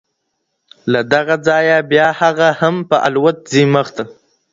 له دغه ځايه بيا هغه هم په الوت ځي مخته